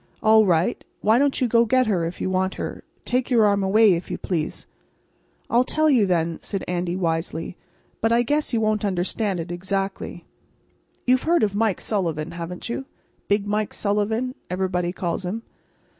All right. Why don't you go get her if you want her? Take your arm away, if you please." "I'll tell you then," said Andy, wisely, "but I guess you won't understand it exactly. You've heard of Mike Sullivan, haven't you? 'Big Mike' Sullivan, everybody calls him."